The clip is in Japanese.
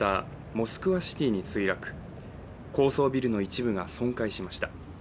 モスクワ・シティに墜落高層ビルの一部が損壊しました。